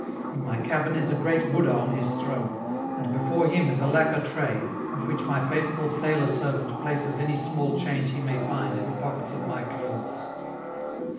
In my cabin is a great Buddha on his throne, and before him is a lacquer tray, on which my faithful sailor servant places any small change he may find in the pockets of my clothes.